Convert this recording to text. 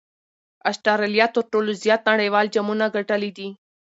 اسټراليا تر ټولو زیات نړۍوال جامونه ګټلي دي.